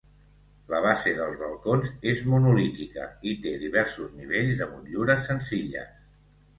La base dels balcons és monolítica i té diversos nivells de motllures senzilles.